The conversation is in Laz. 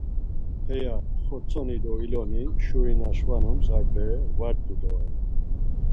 Heya xortsoni do iloni, şuri na şvanums ar bere va rt̆u doren.